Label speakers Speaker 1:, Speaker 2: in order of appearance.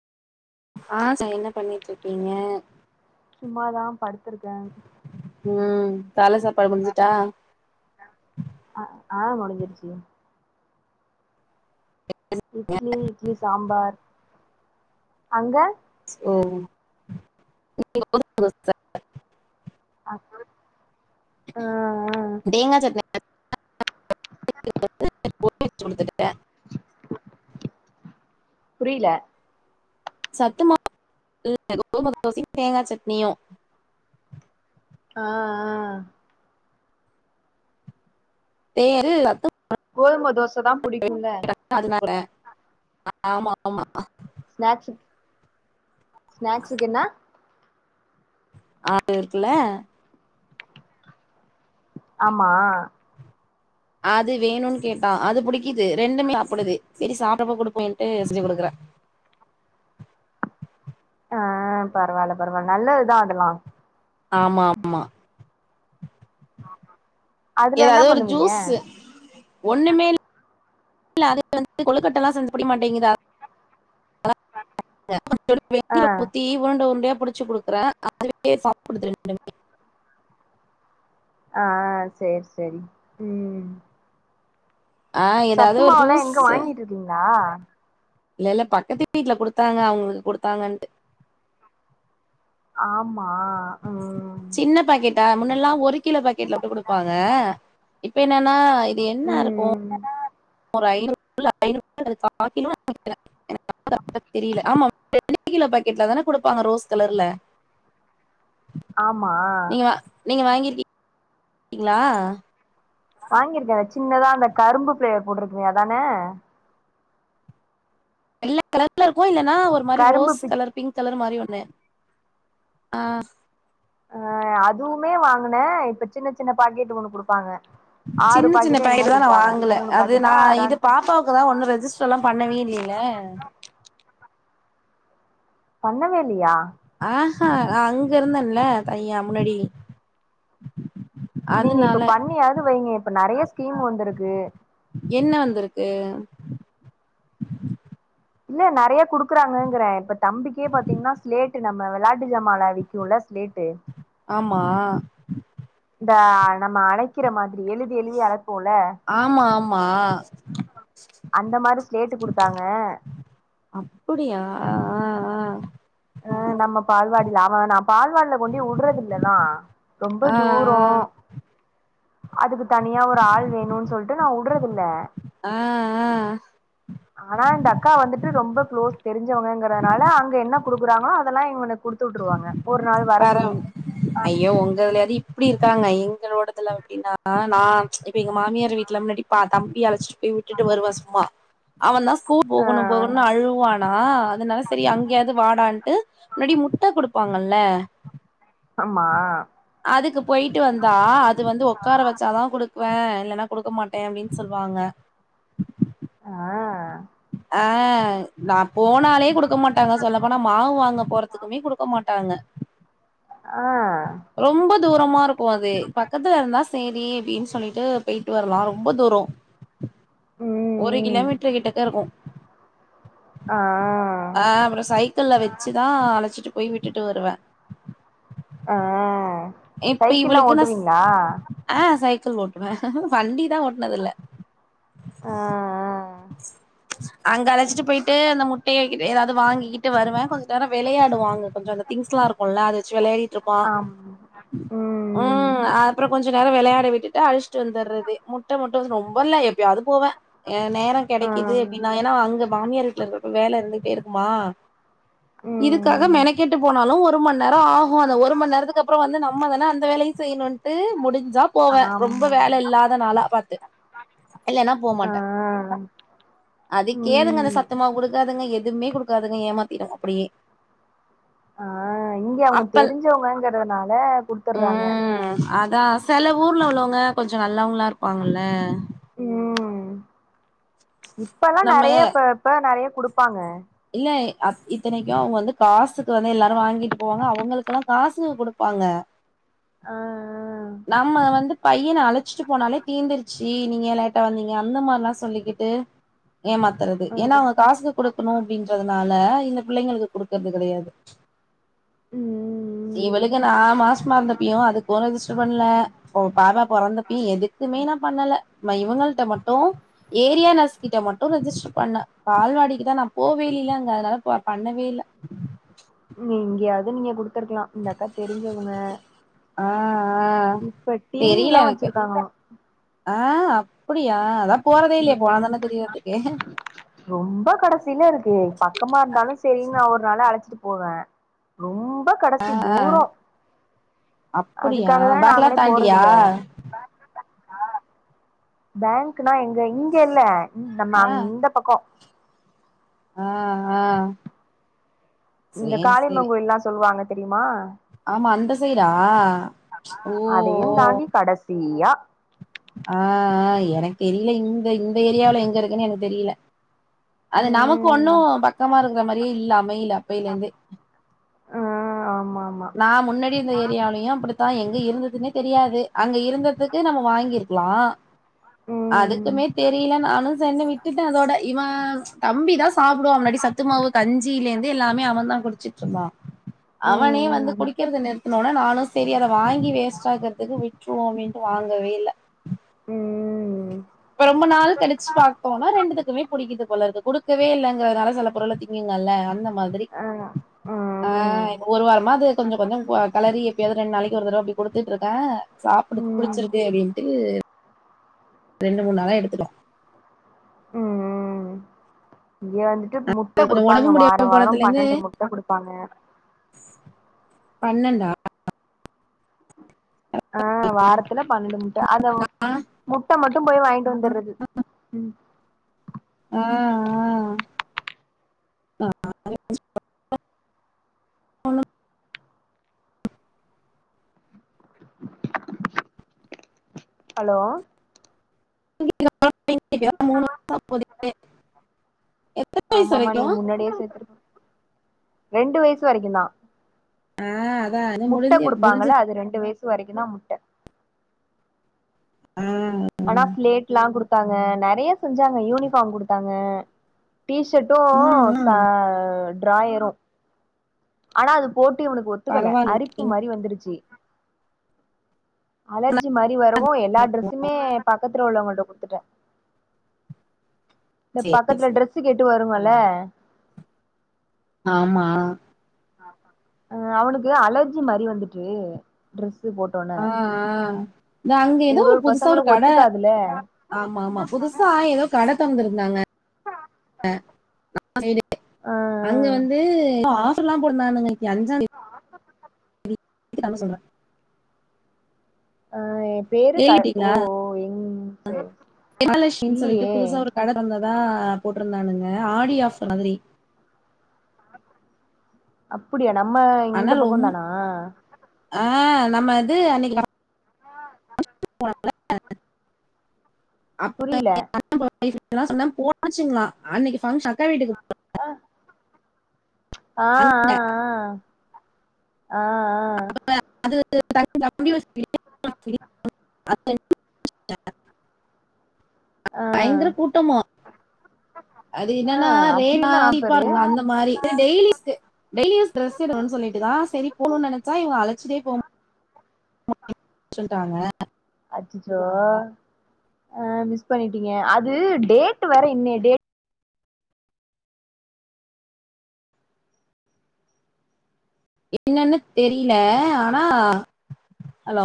Speaker 1: ஆ ச என்ன பண்ணிட்ருக்கீங்க
Speaker 2: சும்மாதா படுத்திருக்கே
Speaker 1: ம் கால்ல சாப்பாடு முடிஞ்சுட்டா
Speaker 2: அ ஆ முடிஞ்சிருச்சு இட்லி இட்லி சாம்பார் அங்க
Speaker 1: ஓ
Speaker 2: அ சொல்லு
Speaker 1: தேங்கா சட்னி [inaudible] குடுத்துட்டே
Speaker 2: புரில
Speaker 1: சத்துமாவு [inaudible] கோதும தோசயு தேங்கா சட்னியு
Speaker 2: ஆ ஆ
Speaker 1: [unintelligible]
Speaker 2: கோதும தோச தா புடிக்கு ல
Speaker 1: அதனால ஆமா ஆமா
Speaker 2: ஸ்நாக்ஸு ஸ்நாக்ஸுக்கென்னா
Speaker 1: ஆறு இருக்குல
Speaker 2: ஆமா
Speaker 1: அது வேணுன் கேட்டா அது புடிக்குது ரெண்டுமே சாப்டுது செரி சாப்டப்போ குடுப்பமேன்ட்டு செஞ்சு குடுக்குற
Speaker 2: ஆ பரவால்ல பரவால் நல்லது தா அதுலா
Speaker 1: ஆமா ஆமா
Speaker 2: அதுல என்ன
Speaker 1: எதாது ஒரு
Speaker 2: பண்ணுவீங்க
Speaker 1: ஜூசு ஒன்னுமே ல்ல அதுக்கு வந்து கொழுக்கட்டலா செஞ்சா புடிக்க மாட்டேங்குது அதா [inaudible] கொஞ்சோன்டு
Speaker 2: ஆ
Speaker 1: வெந்நீர ஊத்தி உருண்ட உருண்டையா புடிச்சு குடுக் க்குறே அதுவே சாப்புடுது ரெண்டுமே
Speaker 2: ஆ சேரி சேரி ம்
Speaker 1: ஆ ஏதாவது ஒரு
Speaker 2: சத்துமாவுலா
Speaker 1: ஜூஸ்
Speaker 2: எங்க வாங்கிட்ருக்கிங்களா
Speaker 1: இல்ல இல்ல பக்கத்து வீட்ல குடுத்தாங்க அவுங்குளுக் குடுத்தாங்கன்ட்டு
Speaker 2: ஆமா ம்
Speaker 1: சின்ன பாக்கெட்டா முன்னெல்லா ஒரு கிலோ பாக்கெட்ல போட்டு குடுப்பாங்க இப்ப என்னன்னா இது என்னா இருக்கு
Speaker 2: ம்
Speaker 1: ஒரு ஐநூறு [inaudible] ஐநூறு கா கிலோ இருக்கு நெனைக்குறே எனக்கு அளவு கரக்ட்டா தெரில ஆமா கிலோ பாக்கெட்ல தான குடுப்பாங்க ரோஸ் கலர்ல
Speaker 2: ஆமா
Speaker 1: நீங்க நீங்க வாங்கிருக்கீ ங்ளா
Speaker 2: வாங்கிருக்கே சின்னதா அந்த கரும்பு பேர் போட்ருக்குமே அதான
Speaker 1: வெள்ள கலர்ல இருக்கு இல்லனா ஒரு மாரி
Speaker 2: கரும்பு
Speaker 1: rose
Speaker 2: peach
Speaker 1: colour pink colour மாரி ஒன்னு ஆ
Speaker 2: அ அதுவுமே வாங்குனே இப்ப சின்ன சின்ன பாக்கெட் ஒன்னு குடுப்பாங்க ஆறு
Speaker 1: சின்ன சின்ன
Speaker 2: பாக்கெட்டோ என்னமோ
Speaker 1: பேக்கெட்டுதா நா
Speaker 2: குடுப்பாங்க
Speaker 1: வாங்கல
Speaker 2: மூணு
Speaker 1: அது
Speaker 2: பாக்கெட்டா
Speaker 1: நா இது
Speaker 2: ஆறான்
Speaker 1: பாப்பாவுக்குதா ஒன்னு ரெஜிஸ் த்துலா பண்ணவே இல்லில
Speaker 2: பண்ணவேலியா
Speaker 1: ஆ ஹ அங்க இருந்தன்ல்ல தையா முன்னடி
Speaker 2: நீங்க இப்ப பண்ணியாது வைங்க இப்ப நறைய ஸ்கீம் வந்துருக்கு
Speaker 1: என்ன வந்துருக்கு
Speaker 2: இல்ல நறைய குடுக்குறாங்கங்ற இப்ப தம்பிக்கே பாத்தீங்னா ஸ்லேட்டு நம்ம வெளாட்டு ஜாமால வி க்குல ஸ்லேட்டு
Speaker 1: ஆமா
Speaker 2: இந்தா நம்ம அலைக்கிற மாதிரி எழுதி எழுதி அலைப்போல
Speaker 1: ஆமா ஆமா
Speaker 2: அந்த மாரி ஸ்லேட்டு குடுத்தாங்க
Speaker 1: அப்புடியா ஆ ஆ ஆ
Speaker 2: அ நம்ம பால்வாடில அவே நா பால்வாடில கொண்டி வுட்றதில்லதா ரொம்ப
Speaker 1: ஆ
Speaker 2: தூரோ அதுக்கு தனியா ஒரு ஆள் வேணுன் சொல்ட்டு நா வுட்றதில்ல
Speaker 1: ஆ ஆ
Speaker 2: ஆனா இந்த அக்கா வந்துட்டு ரொம்ப க்ளோஸ் தெரிஞ்சவங்கங்றனால அங்க என்ன குடுக்குறாங்களோ அதெலா இவனுக் குடுத்துவுட்ருவாங்க ஒரு நாள் வர
Speaker 1: பரவ
Speaker 2: சொல்லி
Speaker 1: ஐயோ உங்க இதுலியாது இப்டி இருக்காங்க எங்களோடதுல எப்டினா நா இப்ப எங்க மாமியார் வீட் [unintelligible] முன்னாடி பா தம்பி அழைச்சிட்டு போய் வுட்டுட்டு வருவே சும்மா அவந்தா ஸ்கூல்
Speaker 2: ஆ
Speaker 1: போகணு போகணுன் அழுவா நா அதனால செரி அங்கியாது வாடான்ட்டு முன்னாடி முட்ட குடுப்பாங்கல்ல
Speaker 2: ஆமா
Speaker 1: அதுக்கு போயிட்டு வந்தா அது வந்து உக்கார வச்சாதா குடுப் பே இல்லனா குடுக்க மாட்டே அப்டின்னு சொல்வாங்க
Speaker 2: ஆ
Speaker 1: அ நா போனாலே குடுக்க மாட்டாங்க சொல்லப் போனா மாவு வாங்க போறதுக்குமே குடுக்க மாட்டாங்க
Speaker 2: ஆ
Speaker 1: ரொம்ப தூரமாருக்கு அது பக்கத்துல இருந்தா ஸ் சேரி அப்டின் சொல்லிட்டு போயிட்டு வர்லா ரொம்ப தூரோ ஒரு
Speaker 2: ம் ம்
Speaker 1: கிலோமீட்ரு கிட்டக்க இருக்கு
Speaker 2: ஆ
Speaker 1: அ அப்ற சைக்கிள்ல வச்சுதா அழச்சிட்டு போய் விட்டுட்டு வருவே
Speaker 2: ஆ
Speaker 1: இப்ப
Speaker 2: சைக்கிள்லாம்
Speaker 1: இவளுக்கு நா
Speaker 2: ஓட்டுவீங்களா
Speaker 1: ஆ சைக்கிள் ஓட்டுவே வண்டிதா ஓட்டுனதில்ல
Speaker 2: ஆ
Speaker 1: அங்க அழச்சிட்டு போயிட்டு அந்த முட்டைய கிட் ஏதாது வாங்கிக்கிட்டு வருவே கொஞ்ச நேர வெளையாடுவா அங்க கொஞ்ச இந்த திங்க்ஸ்லா இருக்குல்ல அத வச்சு வெளையாடிட்ருப்
Speaker 2: ஆம்
Speaker 1: ம் அப் புறம் கொஞ்ச நேரம் வெளையாட விட்டுட்டு அழச்சிட்டு வந்துறது முட்டை மட்டு ரொம்ப இல்ல எப்பயாவது போவேன் ஏ நேரம்
Speaker 2: ஆ
Speaker 1: கெடைக்குது அப்டினா ஏன்னா அங்க மாமியார் வீட்டுல இருக்கிறப்போ வேலை இருந்துட்டே இருக்குமா இதுக்காக
Speaker 2: ம்
Speaker 1: மெனக்கெட்டு போனாலும் ஒரு மணி நேரம் ஆகாது அந்த ஒரு மணி நேரத்துக்கு அப்புறம் வந்து நம்ம நம்மா தானே அந்த வேலையும் செய்யணுன்ட்டு முடிஞ்சா போவேன் ரொம்ப
Speaker 2: ஆமா
Speaker 1: வேலை இல்லாத நாளா பாத்து இல்லேன்னா
Speaker 2: ஆ
Speaker 1: போமாட்டேன் அதுக்கே அதுங்க அந்த
Speaker 2: ம்
Speaker 1: சத்தமாவு கொடுக்காதுங்க எதுவுமே கொடுக் காதுங்க ஏமாத்திரும் அப்டியே
Speaker 2: ஆ இங்கே அவங்க
Speaker 1: அப்பல்
Speaker 2: தெரிஞ்சவங்கங்கிறது நால அதுக்
Speaker 1: ம் அதான் சில ஊர்ல உள்ளவங்க கொஞ்சம் நல்லவங்களா இருப்பாங்கல்ல
Speaker 2: ம் இப்பெல்லாம்
Speaker 1: நம்ம
Speaker 2: நெறையப் ப்ப நெறைய கொடுப்பாங்க
Speaker 1: இல்ல அத் இத்தனைக்கும் அவங்க வந்து காசுக்கு வந்து எல்லாரும் வாங்கிட்டு போவாங்க அவங்களுக்கெல்லாம் காசூ கொடுப் பாங்க
Speaker 2: ஆ ஆ
Speaker 1: நம்ம வந்து பையன அழச்சிட்டு போனாலே தீந்துருச்சீ நீங்க ஏ லேட்டா வந்தீங்க அந்த மாதிரிலாம் சொல்லிகிட்டு ஏமாத்துறது ஏன்னா
Speaker 2: ஆமா.
Speaker 1: அவங்க காசூ கொடுக்கணும் அப்டின்றதுனால இந்த புள்ளைங்களுக்கு கொடுக்கறது கெடையாது
Speaker 2: ம்
Speaker 1: இவளுக்கு நான் மாசமாறுந்தப்பயும் அதுக்கும் ரெஜிஸ்டர் பண்ணல ஒ பாப்பா பொறந்தப்பயும் எதுக்குமே நா பண்ணல இவங்கள்ட மட்டும் ஏரியா நர்ஸ்கிட்ட மட்டும் ரெஜிஸ்டர் பண்ண பால்வாடிக்கு தான் நான் போவேலில்ல அங்க அதனால பண்ணவேல்ல
Speaker 2: ம் எங்கையாது நீங்க குடுத்துருக்கலாம் இந்த அக்கா தெரிஞ்சவங்க
Speaker 1: ஆ ஆ
Speaker 2: இப்ப டி
Speaker 1: தெரில
Speaker 2: வில்லாம்
Speaker 1: எனக்கு
Speaker 2: வச்சிருக்காங்ளாம்
Speaker 1: ஆ அப்டியா அதான் போறதே இல்லையே போனா
Speaker 2: ம்
Speaker 1: தானே தெரியதுக்கு
Speaker 2: ரொம்ப கடைசியில இருக்கு பக்கமா இருந்தாலும் சேரின்னு நா ஒரு நாளு அழச்சிட்டு போவேன் ரொம்ப கடைசி தூரம்
Speaker 1: அப்டியா
Speaker 2: அதுக்காக தான்
Speaker 1: பேக்லா
Speaker 2: நாங்களே
Speaker 1: தாண்டியா
Speaker 2: போறதுல்ல பேங்க்னா எங்க இங்க இல்ல நம்ம
Speaker 1: ஆ
Speaker 2: அந்த பக்கம்
Speaker 1: ஆ ஆ
Speaker 2: இந்த
Speaker 1: சேரி சேரி
Speaker 2: காளியமங்க கோவில் எல்லா சொல்லுவாங்க தெரியுமா
Speaker 1: ஆமா அந்த சைடா ஓ
Speaker 2: அதையு
Speaker 1: ஓ
Speaker 2: தாண்டி கடசீயா
Speaker 1: ஆ ஆ எனக்கு தெரில இந்த இந்த ஏரியால எங்க இருக்குன்னு எனக்கு தெரில அது நமக்கு ஒன்னு
Speaker 2: ம்
Speaker 1: பக்கமா இருக்கற மாரியே இல்ல அமயில அப்பேயில இருந்தே
Speaker 2: ஆ ஆமா ஆமா
Speaker 1: நா முன்னடி இருந்த ஏரியாவுலயு அப்பிடிதா எங்க இருந்ததுன்னே தெரியாது அங்க இருந்ததுக்கு நம்ம வாங்கியிருக் லா
Speaker 2: ம்
Speaker 1: அதுக்குமே தெரில நானு செரினு விட்டிட்டே அதோட இவ தம்பி தா சாப்டுவா முன்னாடி சத்து மாவு கஞ்சியிலேருந்து எல்லாமே அவன்தா குடிச்சிட்டு இருந்தா அவனே வந்து
Speaker 2: ம் ம்
Speaker 1: குடிக்கறது நிறுத் ன்னோனே நானு செரி அத வாங்கி வேஸ்ட் ஆக்கறதுக்கு விட்டுருவோ அப்டின்ட்டு வாங்கவே இல்ல
Speaker 2: ம்
Speaker 1: இப்ப ரொம்ப நாள் கழிச்சு பாத்தோம்னா ரெண்டுதுக்குமே புடிக்குது போல இக்குது குடு குடுக்கவே இல்லங்கிறது நாள சில பொருள திங்குங்கல்ல அந்த மாதிரி
Speaker 2: ஆ
Speaker 1: ஆ
Speaker 2: ம்
Speaker 1: ஒரு வாரமா அது கொஞ்சோ கொஞ்சோ கெலறி எதோ ரெண்டு நாளைக்கு ஒரு தடவ அப்டி குடுத்துட்டு இருக்கே சாப்பிடுது
Speaker 2: ம்
Speaker 1: புடிச்சிருக்கு அப்டின்ட்டு ரெண்டு மூணு [unintelligible]
Speaker 2: ம் ம் இங்க வந்துட்டு முட் முட்ட
Speaker 1: கொஞ்ச
Speaker 2: குடுப்பாங்க
Speaker 1: ஒடம்பு
Speaker 2: வாரோ
Speaker 1: முடியாம
Speaker 2: வாரோ
Speaker 1: போனதுலேந்து
Speaker 2: பன்னெண்டு முட்ட குடுப்பாங்க
Speaker 1: பன்னெண்டா
Speaker 2: ஆ வாரத்துல பன்னெண்டு முட்ட அத முட்ட மட்டு போய் வாங்கிட்டு வந்தறது
Speaker 1: ஆ
Speaker 2: ஹலோ
Speaker 1: [inaudible] எத்தனை வயசு
Speaker 2: ஆமாம்மா நீங்க
Speaker 1: வரைக்கும்
Speaker 2: முன்னாடியே சேத்து ரெண்டு வயசு வரைக்கு தா
Speaker 1: ஆ, அதான் இது
Speaker 2: முட்ட
Speaker 1: முடிஞ்சு முடிஞ்சு
Speaker 2: குடுப்பாங்கள அது ரெண்டு வயசு வரைக்கு தா முட்
Speaker 1: ம்
Speaker 2: ஆனா ஸ்லேட்லா குடுத்தாங்க நெறைய செஞ்சாங்க யூனிஃபார்ம் குடுத்தாங்க டீ ஷர்ட் ட்டூ
Speaker 1: ம், ம்,
Speaker 2: ச டிராயரு ஆனா அது போட்டு இவனுக்கு ஒத் ஒத்துக்கல அரிப்பு
Speaker 1: பரவாயில்லையே
Speaker 2: மாரி வந்துருச்சு அலர்ஜி மாரி வர வு எல்லா ட்ரெஸ்சுமே பக்கத்துல உள்ளவங்கள்ட்ட குடுத்துட்டே இந்த
Speaker 1: சரி
Speaker 2: பக்கத்துல
Speaker 1: சரி
Speaker 2: ட்ரெஸ் கேட்டு வருங்கல
Speaker 1: ஆமா
Speaker 2: ஆ அவனுக்கு அலர்ஜி மாரி வந்துட்டு டிரெஸ் போட்டோனே
Speaker 1: ஆ, ஆ இந்தா அங்க எதோ ஒரு புதுசா ஒரு கட ஆமாம்மா புதுசா எதோ தொறந்திருந்தாங்க [inaudible]
Speaker 2: ஆ
Speaker 1: அங்க வந்து எதோ ஆப்பர்ல்லா போட்டுருந்தானுங்க [inaudible]
Speaker 2: ஆ ஏ பேரு கா ஓ
Speaker 1: கேள்விட்டீங்களா
Speaker 2: எங் செரி இல்லியே
Speaker 1: பந்ததா போட்டுருந்தானுங்க ஆடி ஆஃபர் மாதிரி
Speaker 2: அப்பிடியா நம்ம இந்த
Speaker 1: ஆனா
Speaker 2: பக்கோ
Speaker 1: ரொம்ப
Speaker 2: தானா
Speaker 1: ஆ நம்ம இது அன்னைக்கி [inaudible]
Speaker 2: புரில
Speaker 1: [unintelligible] சொன்ன போட்டாச்சுங்ளா அன்னைக்கு ஃபங்க்ஷன் அக்கா வீட்டுக்கு போ
Speaker 2: அ
Speaker 1: அங்க
Speaker 2: ஆ ஆ ஆ ஆ ஆ
Speaker 1: [inaudible]
Speaker 2: ஆ
Speaker 1: பயங்கர
Speaker 2: ஆ
Speaker 1: கூட்டமா அது என்னனா
Speaker 2: ஆ அப்டி
Speaker 1: ரேகா
Speaker 2: என்ன ஆஃபரு
Speaker 1: [unintelligible] அந்த மாரி டெய்லிக்கு டெய்லி யூஸ்க்கு டிரஸ் எடுக்கனு சொல்லிட்டுதா சேரி போனு நெனச்சா இவுங்க அழச்சிட்டேபோ [inaudible] சொல்ட்டாங்க
Speaker 2: அச்சச்சோ அ மிஸ் பண்ணிட்டீங்க அது டேட் வேற இன்னைய டேட்
Speaker 1: என்னன்னு தெரில ஆனா